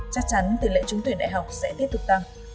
chắc chắn tỷ lệ trúng tuyển đại học sẽ tiếp tục tăng